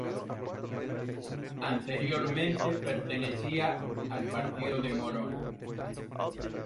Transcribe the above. Anteriormente pertenecía al partido de Morón.